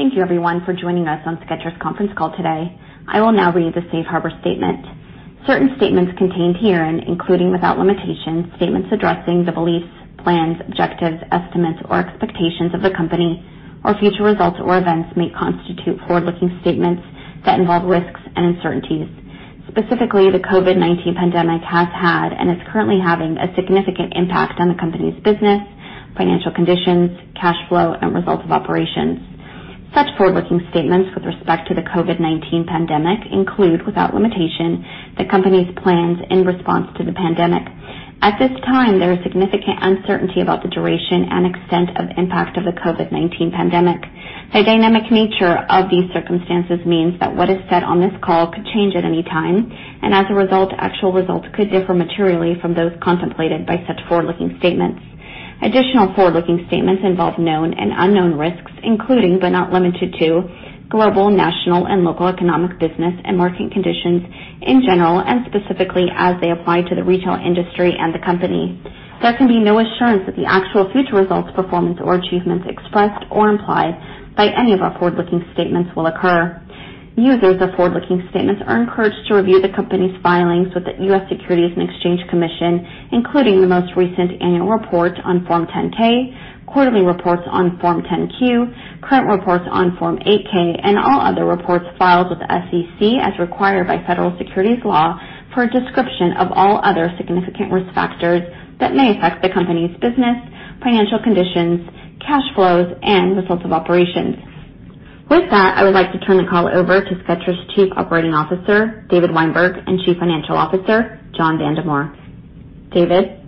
Thank you everyone for joining us on Skechers conference call today. I will now read the safe harbor statement. Certain statements contained herein, including without limitation, statements addressing the beliefs, plans, objectives, estimates, or expectations of the company or future results or events may constitute forward-looking statements that involve risks and uncertainties. Specifically, the COVID-19 pandemic has had and is currently having a significant impact on the company's business, financial conditions, cash flow, and results of operations. Such forward-looking statements with respect to the COVID-19 pandemic include, without limitation, the company's plans in response to the pandemic. At this time, there is significant uncertainty about the duration and extent of impact of the COVID-19 pandemic. The dynamic nature of these circumstances means that what is said on this call could change at any time, and as a result, actual results could differ materially from those contemplated by such forward-looking statements. Additional forward-looking statements involve known and unknown risks, including, but not limited to global, national, and local economic business and market conditions in general, and specifically as they apply to the retail industry and the company. There can be no assurance that the actual future results, performance, or achievements expressed or implied by any of our forward-looking statements will occur. Users of forward-looking statements are encouraged to review the company's filings with the US Securities and Exchange Commission, including the most recent annual report on Form 10-K, quarterly reports on Form 10-Q, current reports on Form 8-K, and all other reports filed with the SEC as required by federal securities law for a description of all other significant risk factors that may affect the company's business, financial conditions, cash flows, and results of operations. With that, I would like to turn the call over to Skechers Chief Operating Officer, David Weinberg, and Chief Financial Officer, John Vandemore. David?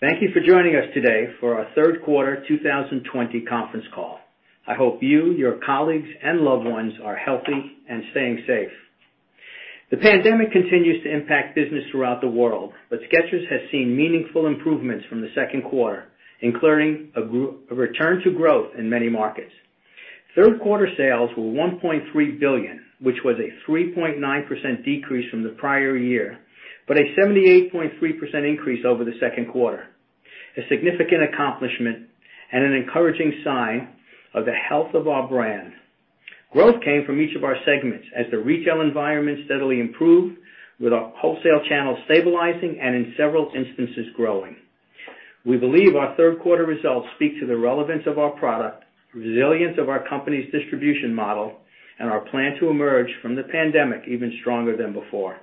Thank you for joining us today for our third quarter 2020 conference call. I hope you, your colleagues, and loved ones are healthy and staying safe. The pandemic continues to impact business throughout the world, but Skechers has seen meaningful improvements from the second quarter, including a return to growth in many markets. Third quarter sales were $1.3 billion, which was a 3.9% decrease from the prior year, but a 78.3% increase over the second quarter, a significant accomplishment and an encouraging sign of the health of our brand. Growth came from each of our segments as the retail environment steadily improved with our wholesale channel stabilizing and in several instances, growing. We believe our third quarter results speak to the relevance of our product, resilience of our company's distribution model, and our plan to emerge from the pandemic even stronger than before.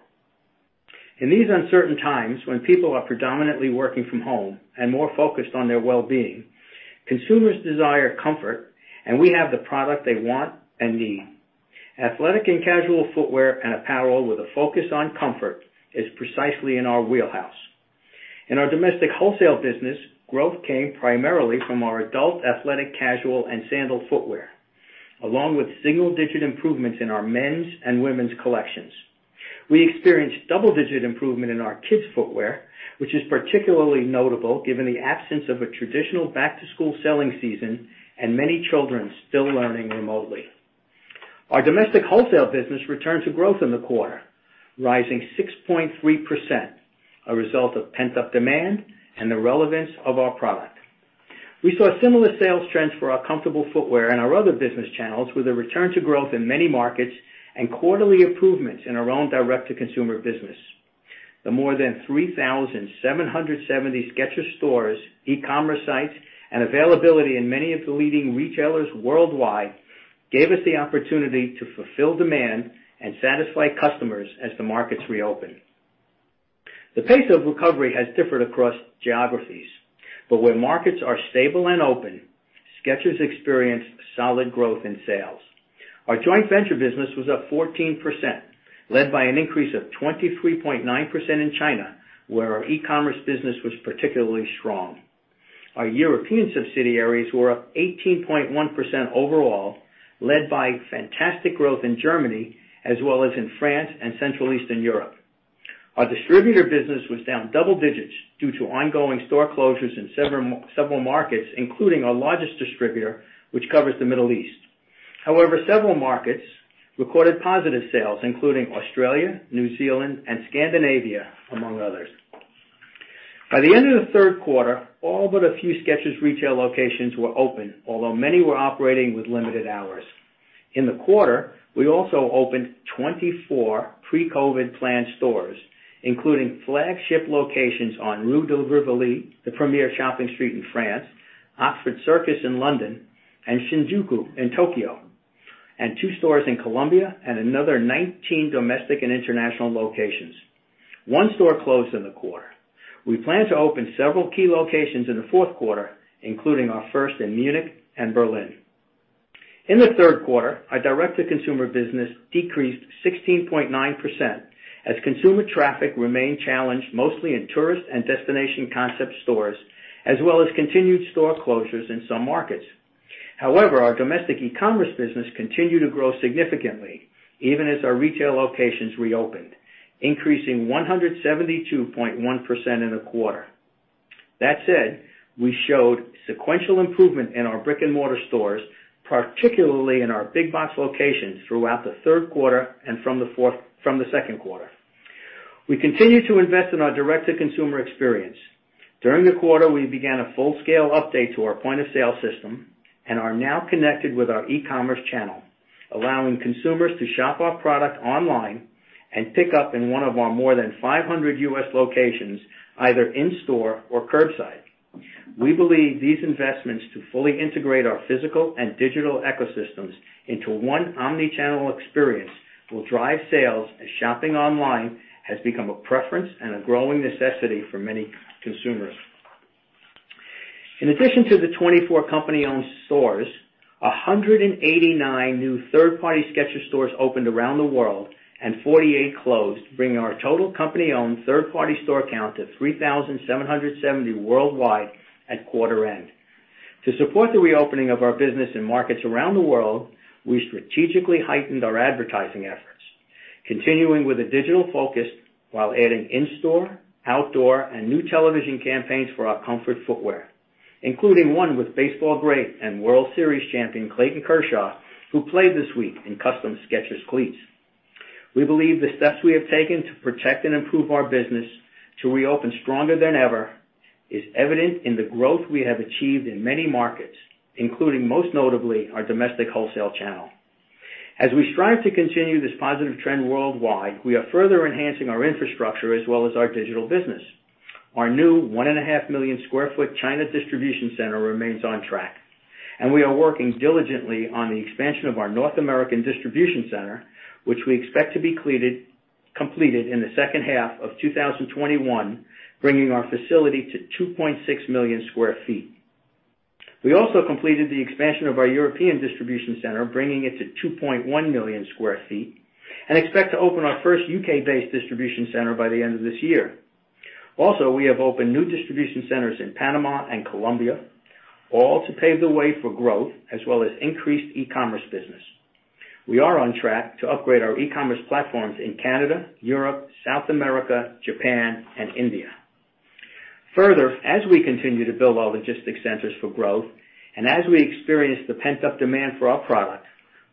In these uncertain times, when people are predominantly working from home and more focused on their well-being, consumers desire comfort, and we have the product they want and need. Athletic and casual footwear and apparel with a focus on comfort is precisely in our wheelhouse. In our domestic wholesale business, growth came primarily from our adult athletic casual and sandal footwear, along with single-digit improvements in our men's and women's collections. We experienced double-digit improvement in our kids footwear, which is particularly notable given the absence of a traditional back-to-school selling season and many children still learning remotely. Our domestic wholesale business returned to growth in the quarter, rising 6.3%, a result of pent-up demand and the relevance of our product. We saw similar sales trends for our comfortable footwear and our other business channels, with a return to growth in many markets and quarterly improvements in our own direct-to-consumer business. The more than 3,770 Skechers stores, e-commerce sites, and availability in many of the leading retailers worldwide gave us the opportunity to fulfill demand and satisfy customers as the markets reopen. The pace of recovery has differed across geographies, but where markets are stable and open, Skechers experienced solid growth in sales. Our joint venture business was up 14%, led by an increase of 23.9% in China, where our e-commerce business was particularly strong. Our European subsidiaries were up 18.1% overall, led by fantastic growth in Germany, as well as in France and Central Eastern Europe. Our distributor business was down double digits due to ongoing store closures in several markets, including our largest distributor, which covers the Middle East. However, several markets recorded positive sales, including Australia, New Zealand, and Scandinavia, among others. By the end of the third quarter, all but a few Skechers retail locations were open, although many were operating with limited hours. In the quarter, we also opened 24 pre-COVID planned stores, including flagship locations on Rue de Rivoli, the premier shopping street in France, Oxford Circus in London, and Shinjuku in Tokyo, and two stores in Colombia and another 19 domestic and international locations. One store closed in the quarter. We plan to open several key locations in the fourth quarter, including our first in Munich and Berlin. In the third quarter, our direct-to-consumer business decreased 16.9% as consumer traffic remained challenged mostly in tourist and destination concept stores, as well as continued store closures in some markets. However, our domestic e-commerce business continued to grow significantly, even as our retail locations reopened, increasing 172.1% in the quarter. We showed sequential improvement in our brick-and-mortar stores, particularly in our big box locations throughout the third quarter and from the second quarter. We continue to invest in our direct-to-consumer experience. During the quarter, we began a full-scale update to our point-of-sale system and are now connected with our e-commerce channel, allowing consumers to shop our product online and pick up in one of our more than 500 U.S. locations, either in-store or curbside. We believe these investments to fully integrate our physical and digital ecosystems into one omni-channel experience will drive sales as shopping online has become a preference and a growing necessity for many consumers. In addition to the 24 company-owned stores, 189 new third-party Skechers stores opened around the world, and 48 closed, bringing our total company-owned third-party store count to 3,770 worldwide at quarter end. To support the reopening of our business in markets around the world, we strategically heightened our advertising efforts, continuing with a digital focus while adding in-store, outdoor, and new television campaigns for our comfort footwear, including one with baseball great and World Series champion Clayton Kershaw, who played this week in custom Skechers cleats. We believe the steps we have taken to protect and improve our business to reopen stronger than ever is evident in the growth we have achieved in many markets, including, most notably, our domestic wholesale channel. As we strive to continue this positive trend worldwide, we are further enhancing our infrastructure as well as our digital business. Our new 1.5 million sq ft China distribution center remains on track, and we are working diligently on the expansion of our North American distribution center, which we expect to be completed in the second half of 2021, bringing our facility to 2.6 million sq ft. We also completed the expansion of our European distribution center, bringing it to 2.1 million sq ft, and expect to open our first U.K.-based distribution center by the end of this year. We have opened new distribution centers in Panama and Colombia, all to pave the way for growth as well as increased e-commerce business. We are on track to upgrade our e-commerce platforms in Canada, Europe, South America, Japan, and India. As we continue to build our logistics centers for growth, and as we experience the pent-up demand for our product,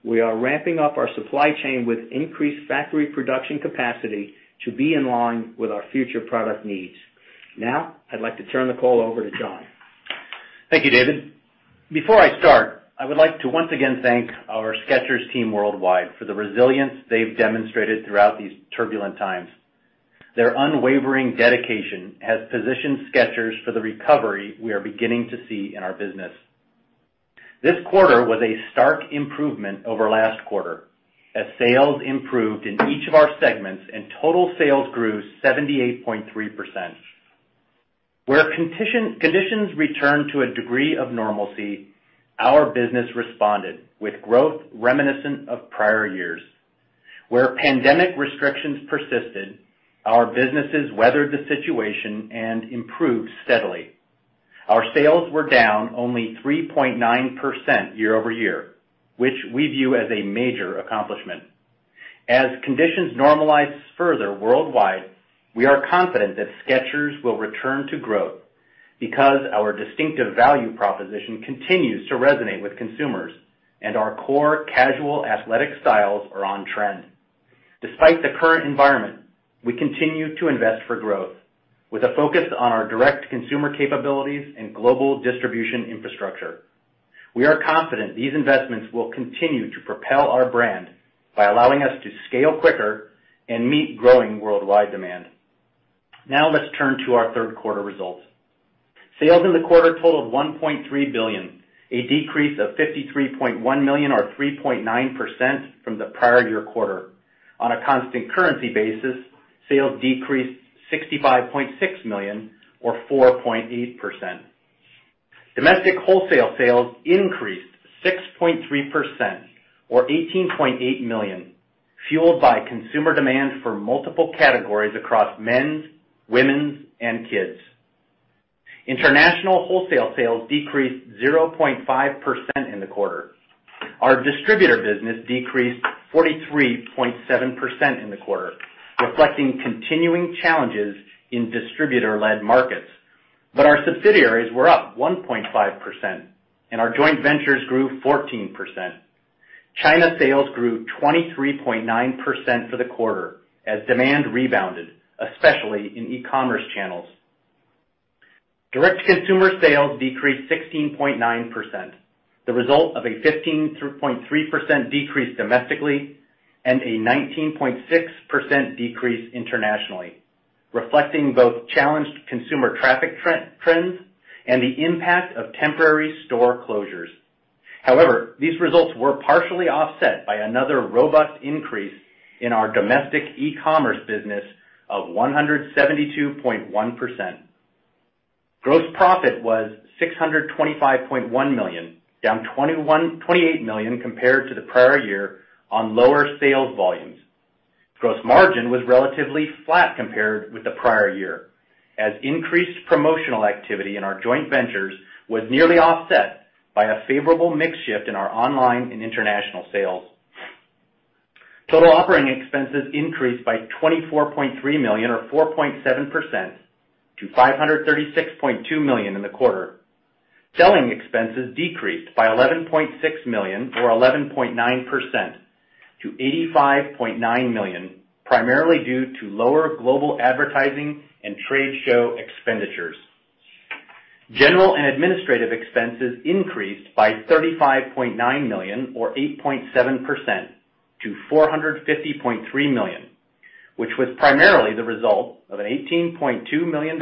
we are ramping up our supply chain with increased factory production capacity to be in line with our future product needs. I'd like to turn the call over to John. Thank you David. Before I start, I would like to once again thank our Skechers team worldwide for the resilience they've demonstrated throughout these turbulent times. Their unwavering dedication has positioned Skechers for the recovery we are beginning to see in our business. This quarter was a stark improvement over last quarter, as sales improved in each of our segments and total sales grew 78.3%. Where conditions returned to a degree of normalcy, our business responded with growth reminiscent of prior years. Where pandemic restrictions persisted, our businesses weathered the situation and improved steadily. Our sales were down only 3.9% year-over-year, which we view as a major accomplishment. As conditions normalize further worldwide, we are confident that Skechers will return to growth because our distinctive value proposition continues to resonate with consumers, and our core casual athletic styles are on trend. Despite the current environment, we continue to invest for growth with a focus on our direct consumer capabilities and global distribution infrastructure. We are confident these investments will continue to propel our brand by allowing us to scale quicker and meet growing worldwide demand. Now let's turn to our third quarter results. Sales in the quarter totaled $1.3 billion, a decrease of $53.1 million or 3.9% from the prior year quarter. On a constant currency basis, sales decreased $65.6 million or 4.8%. Domestic wholesale sales increased 6.3% or $18.8 million, fueled by consumer demand for multiple categories across men, women, and kids. International wholesale sales decreased 0.5% in the quarter. Our distributor business decreased 43.7% in the quarter, reflecting continuing challenges in distributor-led markets. Our subsidiaries were up 1.5%, and our joint ventures grew 14%. China sales grew 23.9% for the quarter as demand rebounded, especially in e-commerce channels. Direct-to-consumer sales decreased 16.9%, the result of a 15.3% decrease domestically and a 19.6% decrease internationally, reflecting both challenged consumer traffic trends and the impact of temporary store closures. These results were partially offset by another robust increase in our domestic e-commerce business of 172.1%. Gross profit was $625.1 million, down $28 million compared to the prior year on lower sales volumes. Gross margin was relatively flat compared with the prior year, as increased promotional activity in our joint ventures was nearly offset by a favorable mix shift in our online and international sales. Total operating expenses increased by $24.3 million or 4.7% to $536.2 million in the quarter. Selling expenses decreased by $11.6 million or 11.9% to $85.9 million, primarily due to lower global advertising and trade show expenditures. General and administrative expenses increased by $35.9 million or 8.7% to $450.3 million, which was primarily the result of an $18.2 million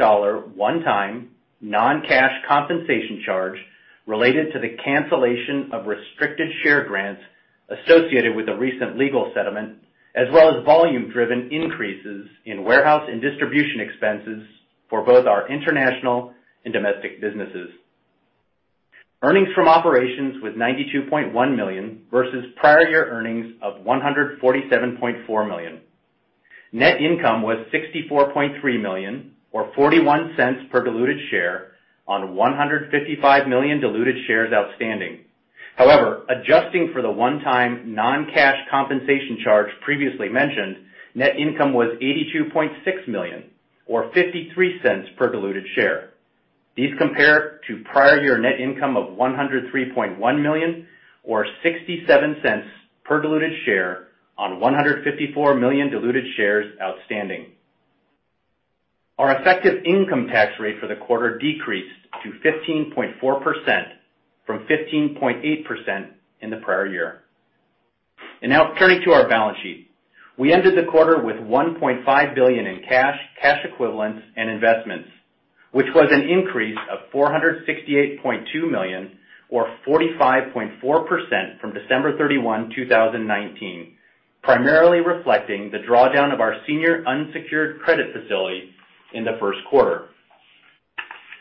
one-time non-cash compensation charge related to the cancellation of restricted share grants associated with the recent legal settlement, as well as volume-driven increases in warehouse and distribution expenses for both our international and domestic businesses. Earnings from operations was $92.1 million versus prior year earnings of $147.4 million. Net income was $64.3 million or $0.41 per diluted share on 155 million diluted shares outstanding. However, adjusting for the one-time non-cash compensation charge previously mentioned, net income was $82.6 million or $0.53 per diluted share. These compare to prior year net income of $103.1 million or $0.67 per diluted share on 154 million diluted shares outstanding. Our effective income tax rate for the quarter decreased to 15.4% from 15.8% in the prior year. Now turning to our balance sheet. We ended the quarter with $1.5 billion in cash equivalents, and investments, which was an increase of $468.2 million or 45.4% from December 31, 2019, primarily reflecting the drawdown of our senior unsecured credit facility in the first quarter.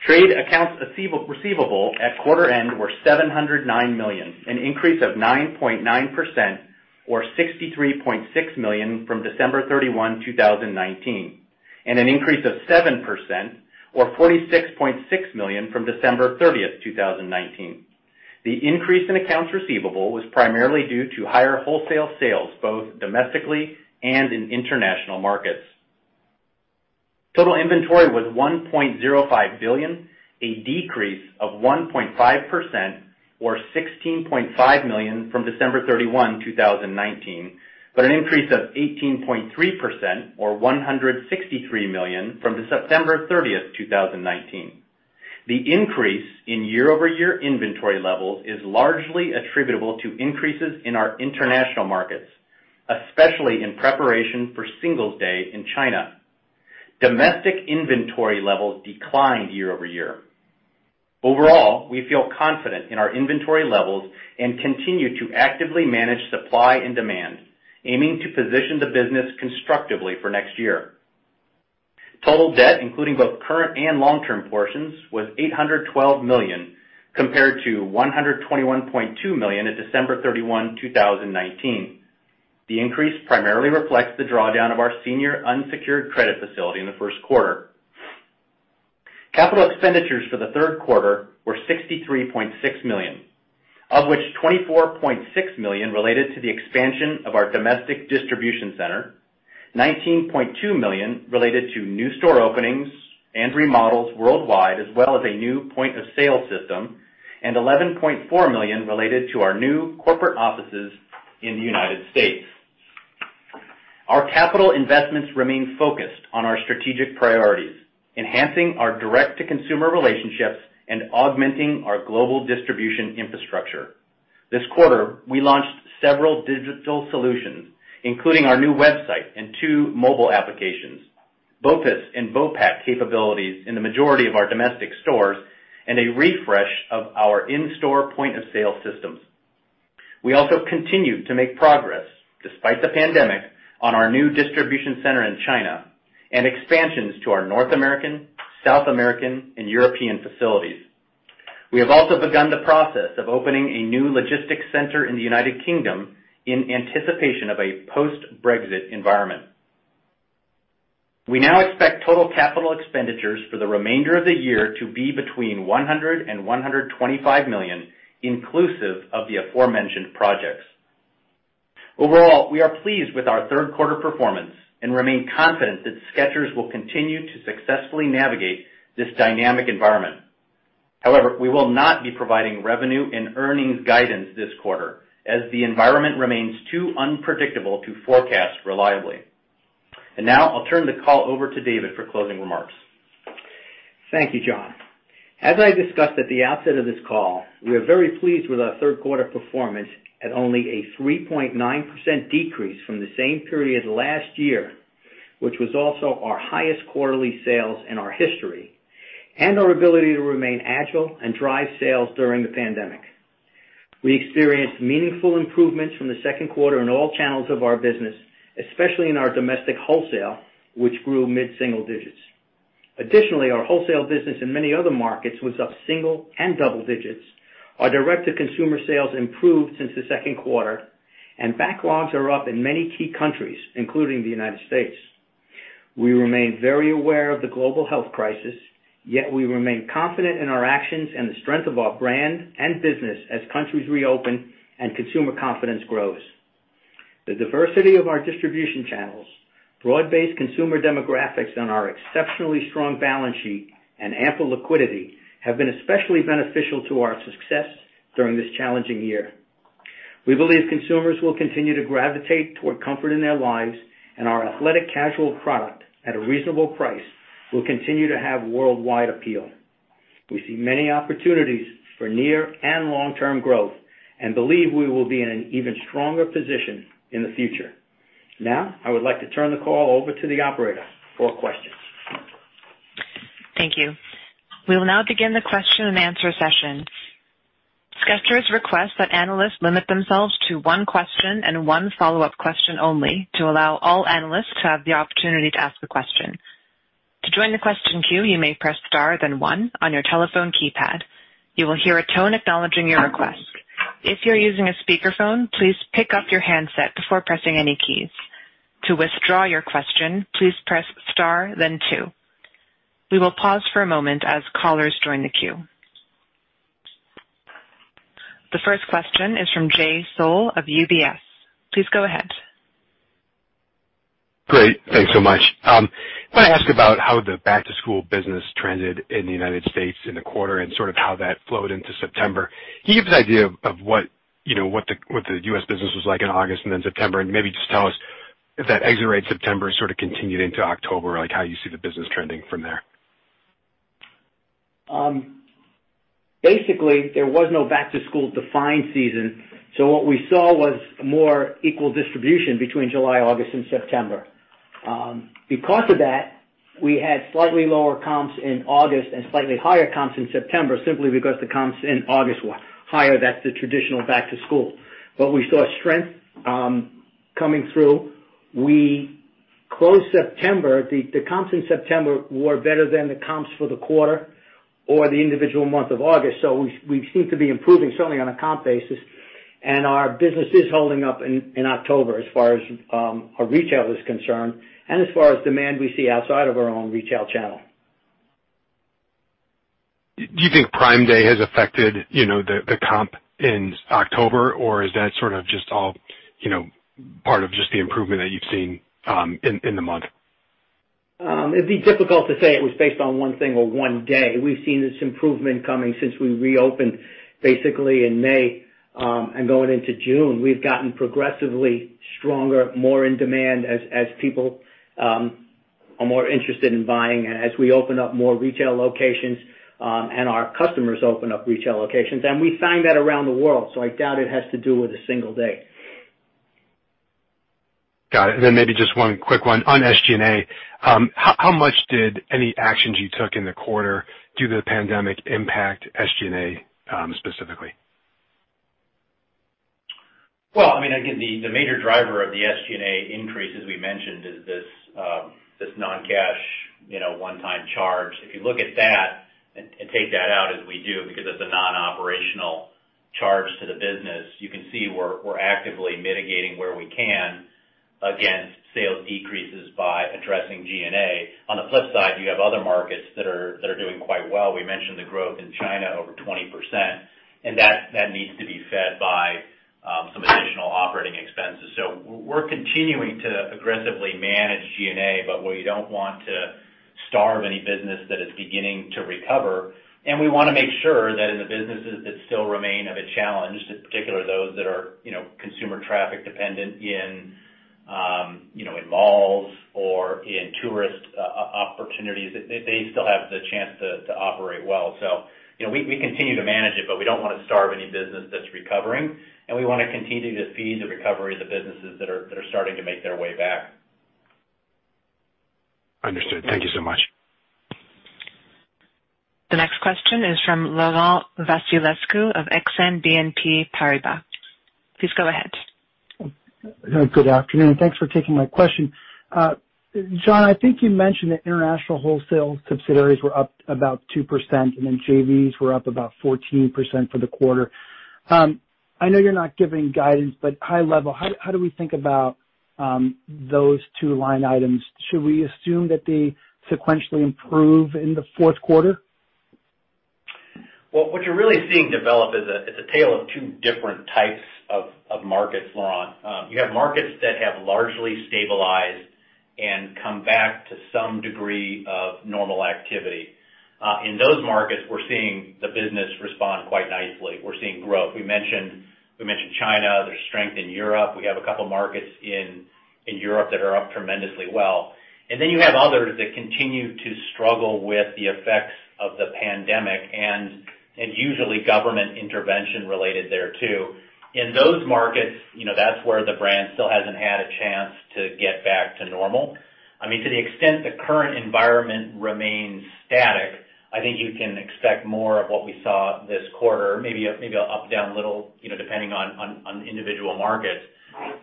Trade accounts receivable at quarter end were $709 million, an increase of 9.9% or $63.6 million from December 31, 2019, and an increase of 7% or $46.6 million from December 30th, 2019. The increase in accounts receivable was primarily due to higher wholesale sales, both domestically and in international markets. Total inventory was $1.05 billion, a decrease of 1.5% or $16.5 million from December 31, 2019, but an increase of 18.3% or $163 million from September 30th, 2019. The increase in year-over-year inventory levels is largely attributable to increases in our international markets, especially in preparation for Singles' Day in China. Domestic inventory levels declined year-over-year. Overall, we feel confident in our inventory levels and continue to actively manage supply and demand, aiming to position the business constructively for next year. Total debt, including both current and long-term portions, was $812 million, compared to $121.2 million at December 31, 2019. The increase primarily reflects the drawdown of our senior unsecured credit facility in the first quarter. Capital expenditures for the third quarter were $63.6 million, of which $24.6 million related to the expansion of our domestic distribution center, $19.2 million related to new store openings and remodels worldwide, as well as a new point-of-sale system, and $11.4 million related to our new corporate offices in the U.S.. Our capital investments remain focused on our strategic priorities, enhancing our direct-to-consumer relationships and augmenting our global distribution infrastructure. This quarter, we launched several digital solutions, including our new website and two mobile applications, BOPIS and BOPAC capabilities in the majority of our domestic stores, and a refresh of our in-store point-of-sale systems. We also continue to make progress, despite the pandemic, on our new distribution center in China and expansions to our North American, South American, and European facilities. We have also begun the process of opening a new logistics center in the U.K. in anticipation of a post-Brexit environment. We now expect total capital expenditures for the remainder of the year to be between $100 million and $125 million, inclusive of the aforementioned projects. Overall, we are pleased with our third quarter performance and remain confident that Skechers will continue to successfully navigate this dynamic environment. We will not be providing revenue and earnings guidance this quarter, as the environment remains too unpredictable to forecast reliably. Now I'll turn the call over to David for closing remarks. Thank you John. As I discussed at the outset of this call, we are very pleased with our 3.9% decrease from the same period last year, which was also our highest quarterly sales in our history, and our ability to remain agile and drive sales during the pandemic. We experienced meaningful improvements from the second quarter in all channels of our business, especially in our domestic wholesale, which grew mid-single digits. Additionally, our wholesale business in many other markets was up single and double digits. Our direct-to-consumer sales improved since the second quarter, and backlogs are up in many key countries, including the U.S. We remain very aware of the global health crisis, yet we remain confident in our actions and the strength of our brand and business as countries reopen and consumer confidence grows. The diversity of our distribution channels, broad-based consumer demographics, and our exceptionally strong balance sheet and ample liquidity have been especially beneficial to our success during this challenging year. We believe consumers will continue to gravitate toward comfort in their lives, and our athletic casual product, at a reasonable price, will continue to have worldwide appeal. We see many opportunities for near and long-term growth and believe we will be in an even stronger position in the future. I would like to turn the call over to the operator for questions. Thank you. We will now begin the question and answer session. Skechers requests that analysts limit themselves to one question and one follow-up question only to allow all analysts to have the opportunity to ask a question. To join the question queue, you may press star then one on your telephone keypad. You will hear a tone acknowledging your request. If you're using a speakerphone, please pick up your handset before pressing any keys. To withdraw your question, please press star then two. We will pause for a moment as callers join the queue. The first question is from Jay Sole of UBS. Please go ahead. Great. Thanks so much. I want to ask about how the back-to-school business trended in the U.S. in the quarter and sort of how that flowed into September. Can you give us an idea of what the U.S. business was like in August and then September, and maybe just tell us if that exit rate September sort of continued into October, like how you see the business trending from there. Basically, there was no back-to-school defined season, so what we saw was more equal distribution between July, August, and September. Because of that, we had slightly lower comps in August and slightly higher comps in September simply because the comps in August were higher. That's the traditional back to school. We saw strength coming through. We closed September. The comps in September were better than the comps for the quarter or the individual month of August. We seem to be improving, certainly on a comp basis, and our business is holding up in October as far as our retail is concerned and as far as demand we see outside of our own retail channel. Do you think Prime Day has affected the comp in October? Is that sort of just all part of just the improvement that you've seen in the month? It'd be difficult to say it was based on one thing or one day. We've seen this improvement coming since we reopened basically in May and going into June. We've gotten progressively stronger, more in demand as people are more interested in buying, and as we open up more retail locations and our customers open up retail locations. We find that around the world. I doubt it has to do with a single day. Got it. Maybe just one quick one on SG&A. How much did any actions you took in the quarter due to the pandemic impact SG&A specifically? Well, again the major driver of the SG&A increase, as we mentioned, is this non-cash one-time charge. If you look at that and take that out as we do, because it's a non-operational charge to the business, you can see we're actively mitigating where we can against sales decreases by addressing G&A. On the flip side, you have other markets that are doing quite well. We mentioned the growth in China over 20%, and that needs to be fed by some additional operating expenses. We're continuing to aggressively manage G&A, but we don't want to starve any business that is beginning to recover, and we want to make sure that in the businesses that still remain of a challenge, in particular, those that are consumer traffic dependent in malls or in tourist opportunities, that they still have the chance to operate well. We continue to manage it, but we don't want to starve any business that's recovering, and we want to continue to feed the recovery of the businesses that are starting to make their way back. Understood. Thank you so much. The next question is from Laurent Vasilescu of Exane BNP Paribas. Please go ahead. Good afternoon. Thanks for taking my question. John, I think you mentioned that international wholesale subsidiaries were up about 2% and then JVs were up about 14% for the quarter. I know you're not giving guidance, but high level, how do we think about those two line items? Should we assume that they sequentially improve in the fourth quarter? Well, what you're really seeing develop is a tale of two different types of markets, Laurent. You have markets that have largely stabilized and come back to some degree of normal activity. In those markets, we're seeing the business respond quite nicely. We're seeing growth. We mentioned China. There's strength in Europe. We have a couple markets in Europe that are up tremendously well. You have others that continue to struggle with the effects of the pandemic, and it's usually government intervention related there, too. In those markets, that's where the brand still hasn't had a chance to get back to normal. To the extent the current environment remains static, I think you can expect more of what we saw this quarter, maybe up, down a little, depending on individual markets.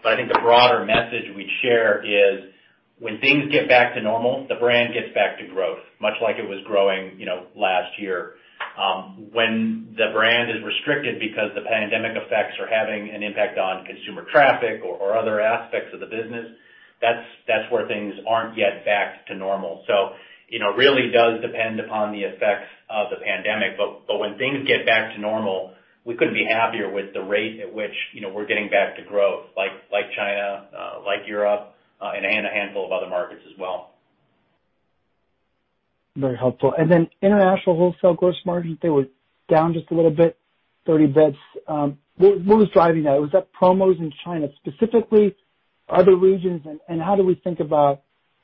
I think the broader message we'd share is when things get back to normal, the brand gets back to growth, much like it was growing last year. When the brand is restricted because the pandemic effects are having an impact on consumer traffic or other aspects of the business, that's where things aren't yet back to normal. It really does depend upon the effects of the pandemic, but when things get back to normal, we couldn't be happier with the rate at which we're getting back to growth, like China, like Europe, and a handful of other markets as well. Very helpful. Then international wholesale gross margins, they were down just a little bit, 30 basis points. What was driving that? Was that promos in China specifically, other regions? How do we think about,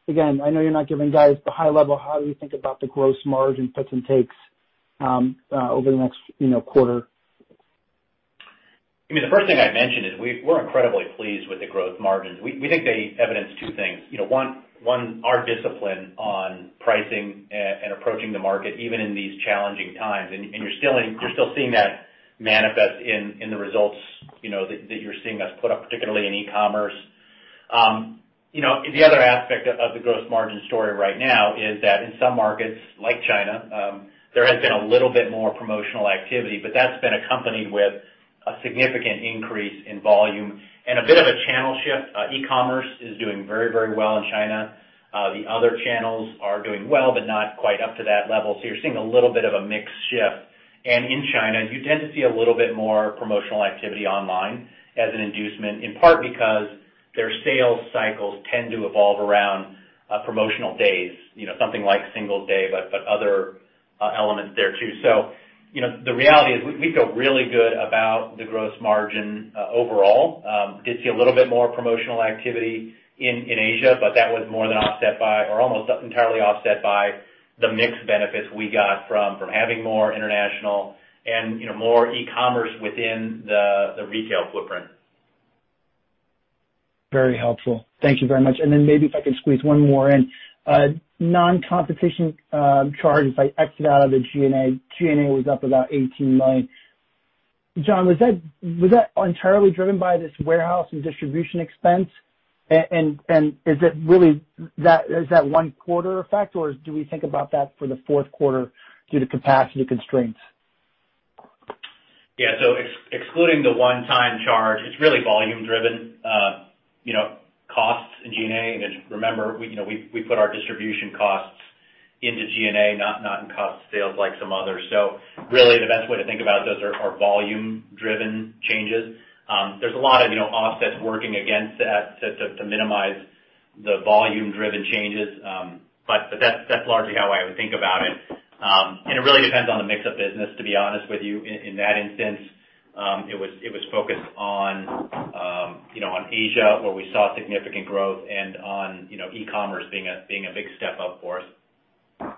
again, I know you're not giving guidance to high level, how do we think about the gross margin gives and takes over the next quarter? The first thing I mentioned is we're incredibly pleased with the gross margins. We think they evidence two things. One, our discipline on pricing and approaching the market, even in these challenging times. You're still seeing that manifest in the results that you're seeing us put up, particularly in e-commerce. The other aspect of the gross margin story right now is that in some markets like China, there has been a little bit more promotional activity, but that's been accompanied with a significant increase in volume and a bit of a channel shift. E-commerce is doing very well in China. The other channels are doing well, but not quite up to that level. You're seeing a little bit of a mix shift. In China, you tend to see a little bit more promotional activity online as an inducement, in part because their sales cycles tend to evolve around promotional days, something like Singles' Day, but other elements there too. The reality is, we feel really good about the gross margin overall. We did see a little bit more promotional activity in Asia, but that was more than offset by, or almost entirely offset by the mix benefits we got from having more international and more e-commerce within the retail footprint. Very helpful. Thank you very much. Maybe if I could squeeze one more in. Non-competition charge, if I exit out of the G&A, G&A was up about $18 million. John, was that entirely driven by this warehouse and distribution expense? Is that one quarter effect, or do we think about that for the fourth quarter due to capacity constraints? Excluding the one-time charge, it's really volume driven costs in G&A. Remember, we put our distribution costs into G&A, not in cost sales like some others. Really the best way to think about those are volume driven changes. There's a lot of offsets working against that to minimize the volume driven changes. That's largely how I would think about it. It really depends on the mix of business, to be honest with you. In that instance, it was focused on Asia, where we saw significant growth and on e-commerce being a big step up for us.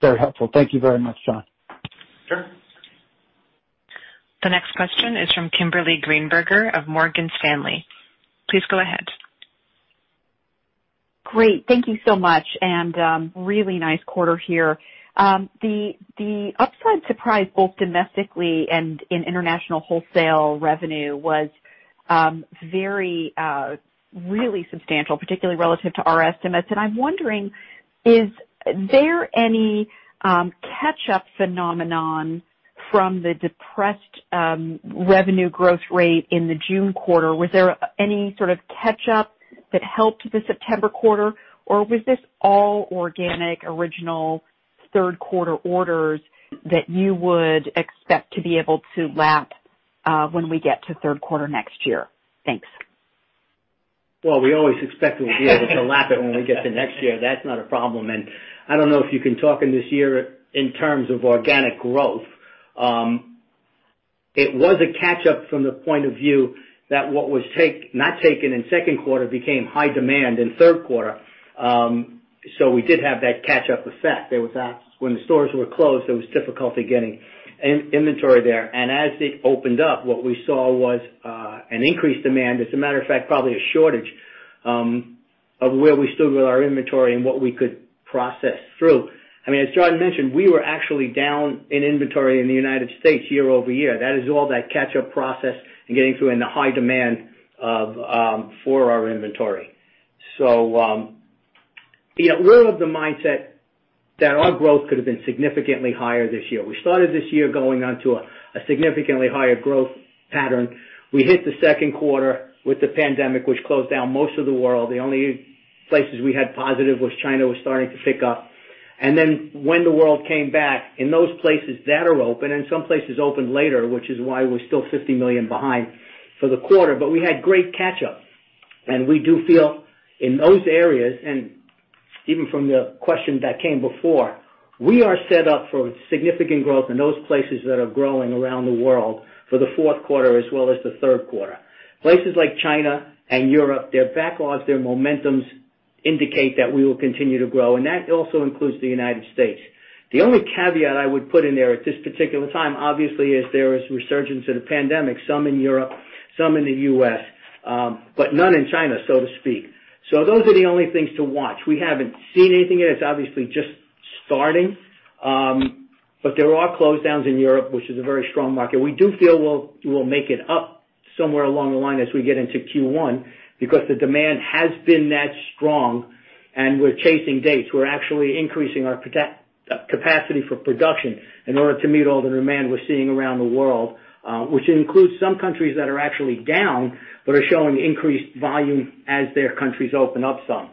Very helpful. Thank you very much John. Sure. The next question is from Kimberly Greenberger of Morgan Stanley. Please go ahead. Great. Thank you so much. Really nice quarter here. The upside surprise, both domestically and in international wholesale revenue was really substantial, particularly relative to our estimates. I'm wondering, is there any catch-up phenomenon from the depressed revenue growth rate in the June quarter? Was there any sort of catch-up that helped the September quarter, or was this all organic original third quarter orders that you would expect to be able to lap when we get to third quarter next year? Thanks. Well, we always expect we'll be able to lap it when we get to next year. That's not a problem. I don't know if you can talk in this year in terms of organic growth. It was a catch-up from the point of view that what was not taken in second quarter became high demand in third quarter. We did have that catch-up effect. When the stores were closed, it was difficult to get any inventory there. As it opened up, what we saw was an increased demand. As a matter of fact, probably a shortage of where we stood with our inventory and what we could process through. As John mentioned, we were actually down in inventory in the U.S. year-over-year. That is all that catch-up process and getting through in the high demand for our inventory. We're of the mindset that our growth could have been significantly higher this year. We started this year going on to a significantly higher growth pattern. We hit the second quarter with the pandemic, which closed down most of the world. The only places we had positive was China was starting to pick up. When the world came back, in those places that are open and some places opened later, which is why we're still $50 million behind for the quarter. We had great catch-up. We do feel in those areas, and even from the question that came before, we are set up for significant growth in those places that are growing around the world for the fourth quarter as well as the third quarter. Places like China and Europe, their backlogs, their momentums indicate that we will continue to grow. That also includes the U.S.. The only caveat I would put in there at this particular time, obviously, is there is resurgence of the pandemic, some in Europe, some in the U.S. but none in China, so to speak. Those are the only things to watch. We haven't seen anything yet. It's obviously just starting. There are lockdowns in Europe, which is a very strong market. We do feel we'll make it up somewhere along the line as we get into Q1 because the demand has been that strong and we're chasing dates. We're actually increasing our capacity for production in order to meet all the demand we're seeing around the world, which includes some countries that are actually down but are showing increased volume as their countries open up some.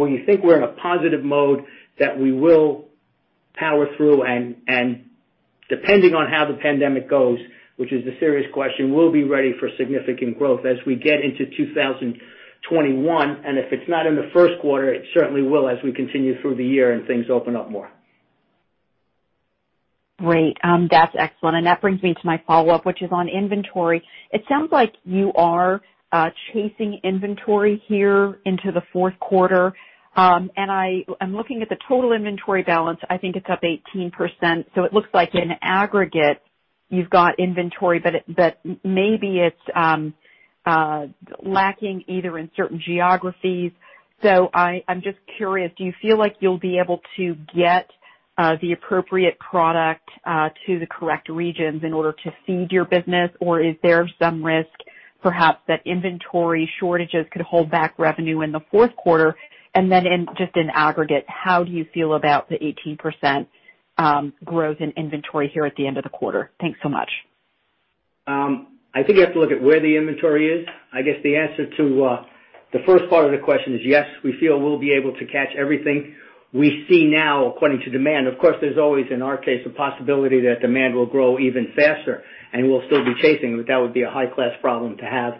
We think we're in a positive mode that we will power through and depending on how the pandemic goes, which is the serious question, we'll be ready for significant growth as we get into 2021. If it's not in the first quarter, it certainly will as we continue through the year and things open up more. Great. That's excellent. That brings me to my follow-up, which is on inventory. It sounds like you are chasing inventory here into the fourth quarter. I'm looking at the total inventory balance. I think it's up 18%. It looks like in aggregate, you've got inventory, but maybe it's lacking either in certain geographies. I'm just curious, do you feel like you'll be able to get the appropriate product to the correct regions in order to feed your business? Is there some risk, perhaps, that inventory shortages could hold back revenue in the fourth quarter? Then just in aggregate, how do you feel about the 18% growth in inventory here at the end of the quarter? Thanks so much. I think you have to look at where the inventory is. I guess the answer to the first part of the question is yes, we feel we'll be able to catch everything we see now according to demand. Of course, there's always, in our case, a possibility that demand will grow even faster and we'll still be chasing, but that would be a high-class problem to have.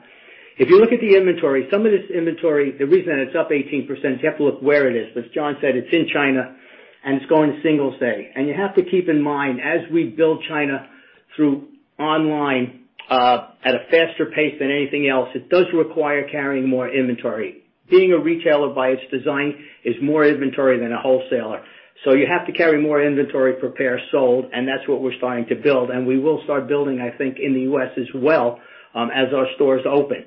If you look at the inventory, some of this inventory, the reason it's up 18%, you have to look where it is. As John said, it's in China and it's going to Singles' Day. You have to keep in mind, as we build China through online at a faster pace than anything else, it does require carrying more inventory. Being a retailer by its design is more inventory than a wholesaler. You have to carry more inventory per pair sold, and that's what we're starting to build. We will start building, I think, in the U.S. as well, as our stores open.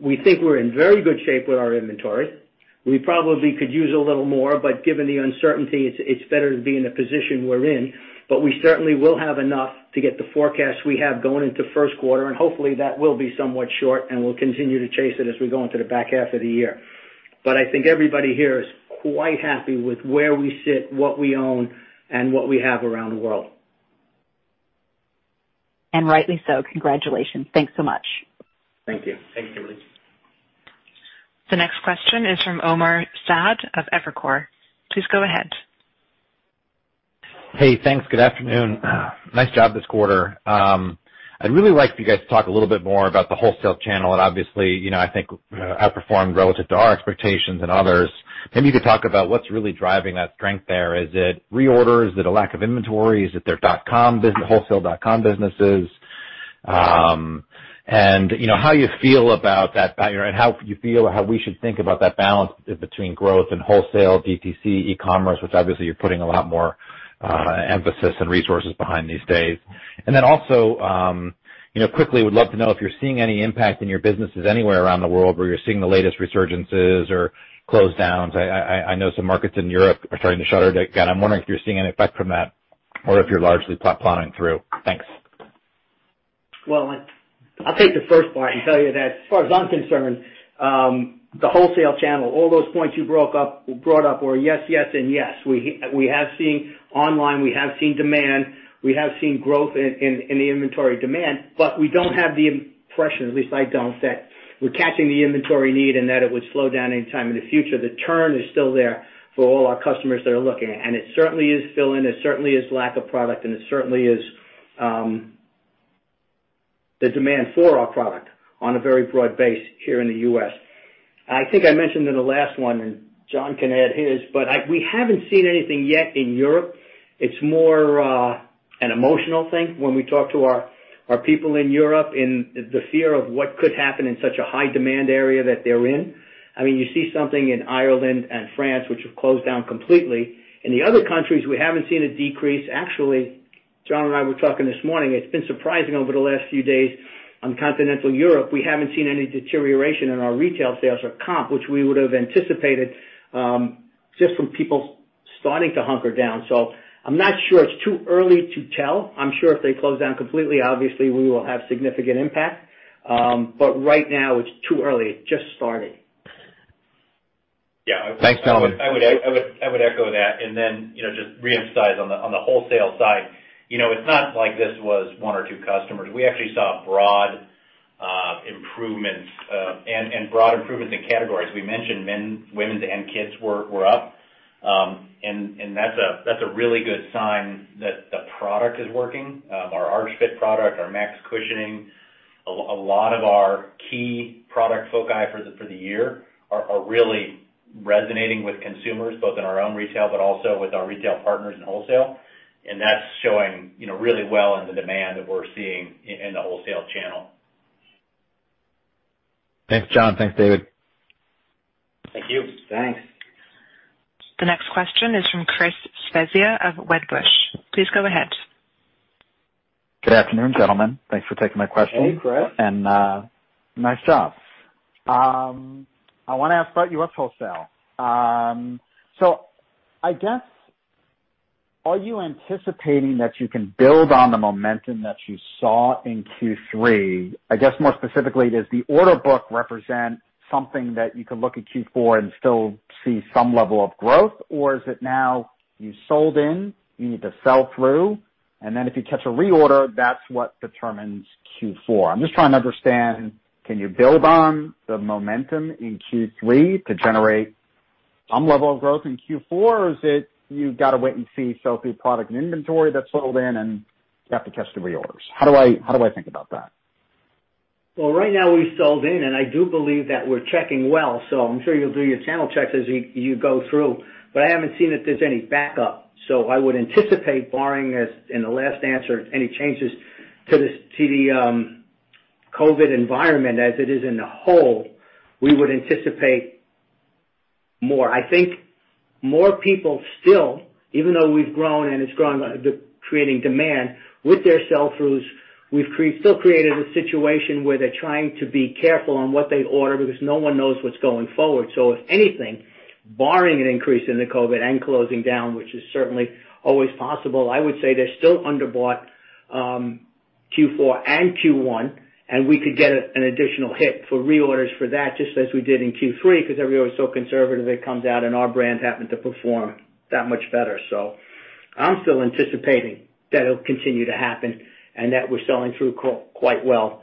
We think we're in very good shape with our inventory. We probably could use a little more, but given the uncertainty, it's better to be in the position we're in. We certainly will have enough to get the forecast we have going into first quarter, and hopefully that will be somewhat short and we'll continue to chase it as we go into the back half of the year. I think everybody here is quite happy with where we sit, what we own, and what we have around the world. Rightly so. Congratulations. Thanks so much. Thank you. Thank you. The next question is from Omar Saad of Evercore. Please go ahead. Hey thanks. Good afternoon. Nice job this quarter. I'd really like for you guys to talk a little bit more about the wholesale channel. Obviously, I think outperformed relative to our expectations and others. Maybe you could talk about what's really driving that strength there. Is it reorder? Is it a lack of inventory? Is it their wholesale dot com businesses? How you feel about that, and how you feel how we should think about that balance between growth and wholesale DTC e-commerce, which obviously you're putting a lot more emphasis and resources behind these days. Then also, quickly would love to know if you're seeing any impact in your businesses anywhere around the world where you're seeing the latest resurgences or closedowns. I know some markets in Europe are starting to shutter again. I'm wondering if you're seeing an effect from that or if you're largely plowing through. Thanks. Well, I'll take the first part and tell you that as far as I'm concerned, the wholesale channel, all those points you brought up were yes, and yes. We have seen online. We have seen demand. We have seen growth in the inventory demand, but we don't have the impression, at least I don't, that we're catching the inventory need and that it would slow down any time in the future. The turn is still there for all our customers that are looking. It certainly is fill in, it certainly is lack of product, and it certainly is the demand for our product on a very broad base here in the U.S. I think I mentioned in the last one, and John can add his, but we haven't seen anything yet in Europe. It's more an emotional thing when we talk to our people in Europe and the fear of what could happen in such a high demand area that they're in. I mean, you see something in Ireland and France, which have closed down completely. In the other countries, we haven't seen a decrease. Actually, John and I were talking this morning. It's been surprising over the last few days on continental Europe. We haven't seen any deterioration in our retail sales or comp, which we would have anticipated just from people starting to hunker down. I'm not sure. It's too early to tell. I'm sure if they close down completely, obviously, we will have significant impact. Right now, it's too early. It's just starting. Yeah. Thanks gentlemen. I would echo that. Just reemphasize on the wholesale side, it's not like this was one or two customers. We actually saw broad improvements and broad improvements in categories. We mentioned men, women's, and kids were up. That's a really good sign that the product is working. Our Arch Fit product, our Max Cushioning, a lot of our key product foci for the year are really resonating with consumers, both in our own retail but also with our retail partners in wholesale. That's showing really well in the demand that we're seeing in the wholesale channel. Thanks John. Thanks David. Thank you. Thanks. The next question is from Chris Svezia of Wedbush. Please go ahead. Good afternoon gentlemen. Thanks for taking my question. Hey Chris. Nice job. I want to ask about U.S. wholesale. I guess, are you anticipating that you can build on the momentum that you saw in Q3? I guess more specifically, does the order book represent something that you can look at Q4 and still see some level of growth? Or is it now you sold in, you need to sell through? If you catch a reorder, that's what determines Q4. I'm just trying to understand, can you build on the momentum in Q3 to generate some level of growth in Q4? Or is it you've got to wait and see sell-through product and inventory that's sold in and you have to catch the reorders? How do I think about that? Well, right now we've sold in, and I do believe that we're checking well, I'm sure you'll do your channel checks as you go through. I haven't seen that there's any backup. I would anticipate barring, as in the last answer, any changes to the COVID environment as it is in the whole, we would anticipate more. I think more people still, even though we've grown and it's creating demand with their sell-throughs, we've still created a situation where they're trying to be careful on what they order because no one knows what's going forward. If anything, barring an increase in the COVID and closing down, which is certainly always possible, I would say they're still under bought Q4 and Q1, and we could get an additional hit for reorders for that, just as we did in Q3, because everybody was so conservative. It comes out and our brands happen to perform that much better. I'm still anticipating that it'll continue to happen and that we're selling through quite well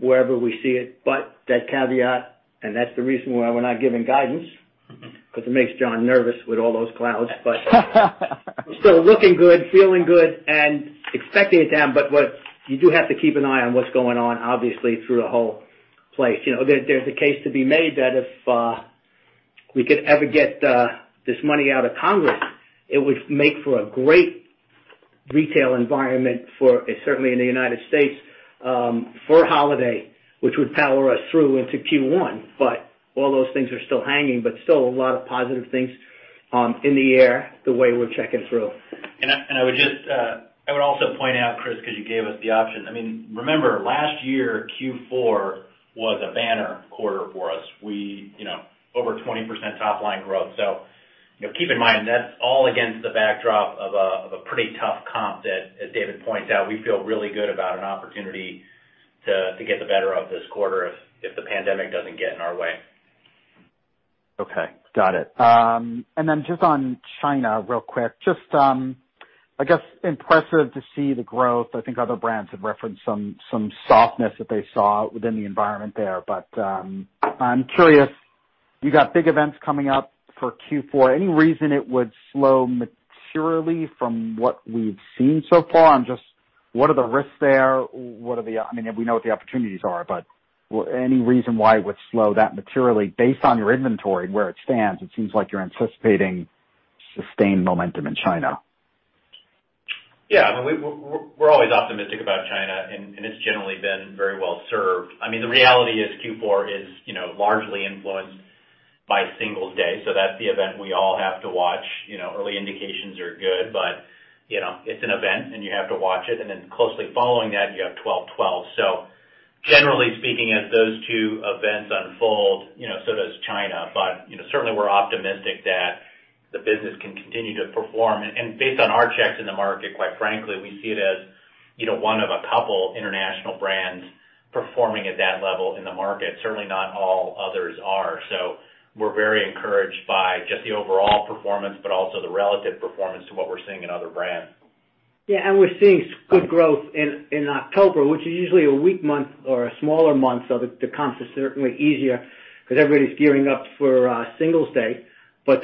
wherever we see it. That caveat, and that's the reason why we're not giving guidance, because it makes John nervous with all those clouds. We're still looking good, feeling good. And expecting it down. You do have to keep an eye on what's going on, obviously, through the whole place. There's a case to be made that if we could ever get this money out of Congress, it would make for a great retail environment, certainly in the U.S., for holiday, which would power us through into Q1. All those things are still hanging, but still a lot of positive things in the air the way we're checking through. I would also point out, Chris, because you gave us the option. Remember last year, Q4 was a banner quarter for us. Over 20% top line growth. Keep in mind, that's all against the backdrop of a pretty tough comp that, as David points out, we feel really good about an opportunity to get the better of this quarter if the pandemic doesn't get in our way. Okay, got it. Just on China real quick, just, I guess impressive to see the growth. I think other brands have referenced some softness that they saw within the environment there. I'm curious, you got big events coming up for Q4. Any reason it would slow materially from what we've seen so far? Just what are the risks there? We know what the opportunities are, but any reason why it would slow that materially based on your inventory and where it stands? It seems like you're anticipating sustained momentum in China. We're always optimistic about China, and it's generally been very well served. The reality is Q4 is largely influenced by Singles' Day, that's the event we all have to watch. Early indications are good, it's an event and you have to watch it. Closely following that, you have 12.12. Generally speaking, as those two events unfold, so does China. Certainly we're optimistic that the business can continue to perform. Based on our checks in the market, quite frankly, we see it as one of a couple international brands performing at that level in the market. Certainly not all others are. We're very encouraged by just the overall performance, also the relative performance to what we're seeing in other brands. Yeah. We're seeing good growth in October, which is usually a weak month or a smaller month. The comps are certainly easier because everybody's gearing up for Singles' Day.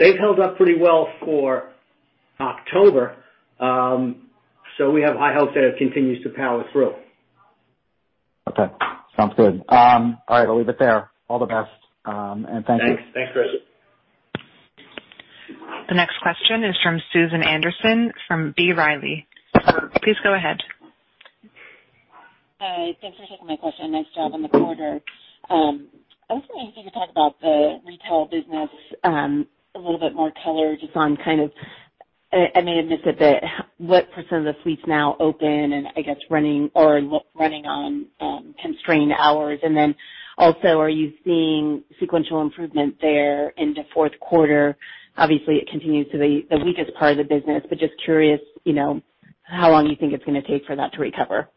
They've held up pretty well for October. We have high hopes that it continues to power through. Okay, sounds good. All right, I'll leave it there. All the best and thank you. Thanks Chris. The next question is from Susan Anderson from B. Riley. Please go ahead. Hi. Thanks for taking my question. Nice job on the quarter. I was wondering if you could talk about the retail business, a little bit more color just on kind of, I may have missed it, but what % of the fleet's now open and I guess running or running on constrained hours. Then also, are you seeing sequential improvement there into fourth quarter? Obviously, it continues to be the weakest part of the business, but just curious how long you think it's going to take for that to recover.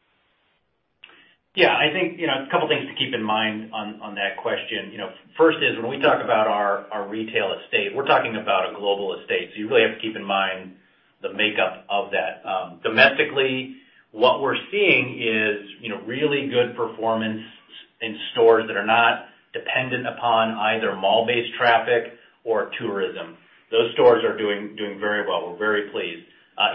Yeah. I think a couple of things to keep in mind on that question. First is when we talk about our retail estate, we're talking about a global estate. You really have to keep in mind the makeup of that. Domestically, what we're seeing is really good performance in stores that are not dependent upon either mall-based traffic or tourism. Those stores are doing very well. We're very pleased.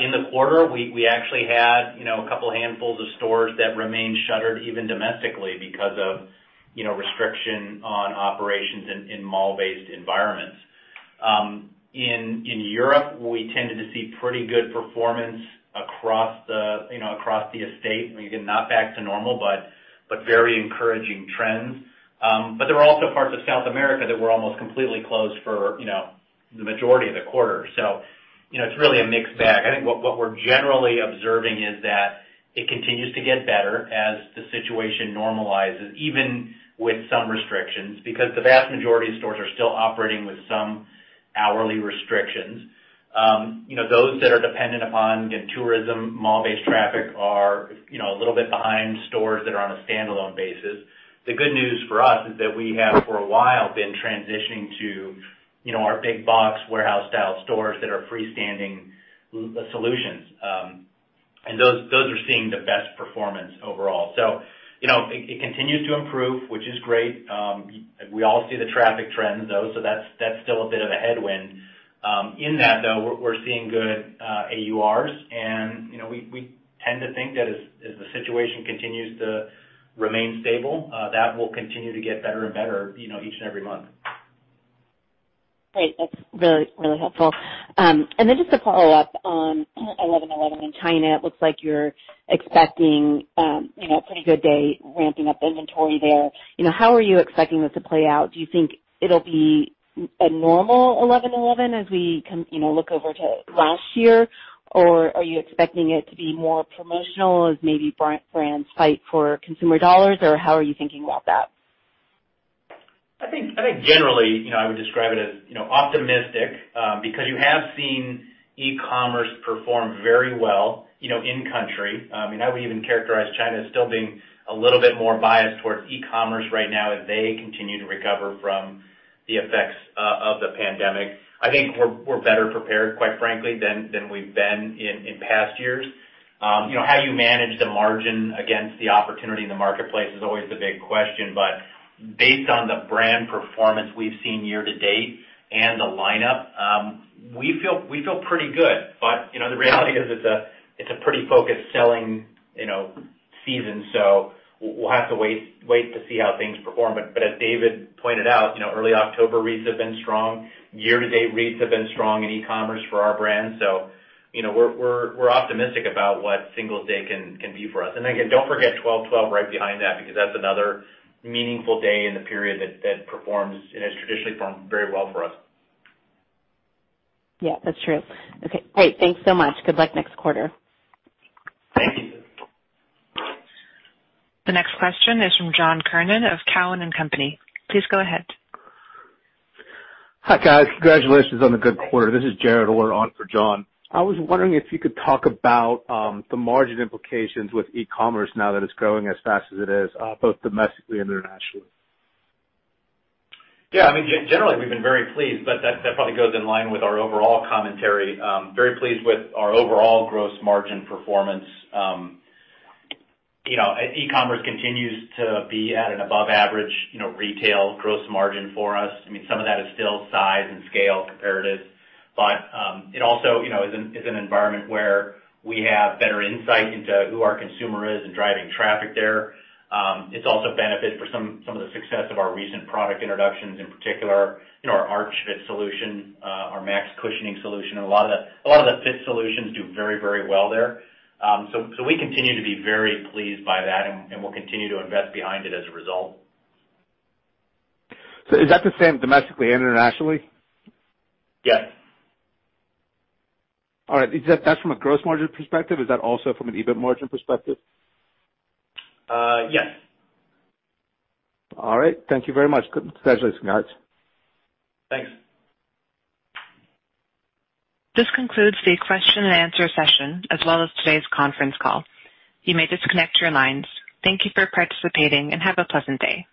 In the quarter, we actually had a couple handfuls of stores that remain shuttered, even domestically because of restriction on operations in mall-based environments. In Europe, we tended to see pretty good performance across the estate. Again, not back to normal, but very encouraging trends. There are also parts of South America that were almost completely closed for the majority of the quarter. It's really a mixed bag. I think what we're generally observing is that it continues to get better as the situation normalizes, even with some restrictions, because the vast majority of stores are still operating with some hourly restrictions. Those that are dependent upon tourism, mall-based traffic are a little bit behind stores that are on a standalone basis. The good news for us is that we have, for a while, been transitioning to our big box warehouse style stores that are freestanding solutions. Those are seeing the best performance overall. It continues to improve, which is great. We all see the traffic trends, though, so that's still a bit of a headwind. In that, though, we're seeing good AURs, and we tend to think that as the situation continues to remain stable, that will continue to get better and better each and every month. Great. That's really helpful. Just a follow-up on November 11 in China. It looks like you're expecting a pretty good day ramping up inventory there. How are you expecting this to play out? Do you think it'll be a normal November 11 as we look over to last year? Are you expecting it to be more promotional as maybe brands fight for consumer dollars, or how are you thinking about that? I think generally, I would describe it as optimistic because you have seen e-commerce perform very well in country. I would even characterize China as still being a little bit more biased towards e-commerce right now as they continue to recover from the effects of the pandemic. I think we're better prepared, quite frankly, than we've been in past years. How you manage the margin against the opportunity in the marketplace is always the big question. Based on the brand performance we've seen year to date and the lineup, we feel pretty good. The reality is it's a pretty focused selling season, so we'll have to wait to see how things perform. As David pointed out, early October reads have been strong. Year to date, reads have been strong in e-commerce for our brand. We're optimistic about what Singles' Day can be for us. Again, don't forget December 12 right behind that because that's another meaningful day in the period that has traditionally performed very well for us. Yeah, that's true. Okay, great. Thanks so much. Good luck next quarter. Thank you. The next question is from John Kernan of Cowen and Company. Please go ahead. Hi guys. Congratulations on the good quarter. This is Jared on for John. I was wondering if you could talk about the margin implications with e-commerce now that it's growing as fast as it is both domestically and internationally. Yeah. Generally, we've been very pleased. That probably goes in line with our overall commentary. Very pleased with our overall gross margin performance. E-commerce continues to be at an above average retail gross margin for us. Some of that is still size and scale comparative. It also is an environment where we have better insight into who our consumer is and driving traffic there. It's also a benefit for some of the success of our recent product introductions, in particular, our Arch Fit solution, our Max Cushioning solution. A lot of the fit solutions do very well there. We continue to be very pleased by that, and we'll continue to invest behind it as a result. Is that the same domestically and internationally? Yes. All right. That's from a gross margin perspective. Is that also from an EBIT margin perspective? Yes. All right. Thank you very much. Congratulations guys. Thanks. This concludes the question and answer session, as well as today's conference call. You may disconnect your lines. Thank you for participating and have a pleasant day.